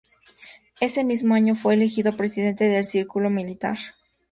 Ese mismo año fue elegido presidente del Círculo Militar.